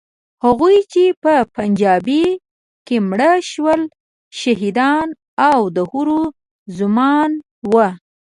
هغوی چې په پنجابۍ کې مړه شول، شهیدان او د حورو زومان وو.